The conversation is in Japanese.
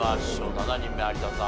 ７人目有田さん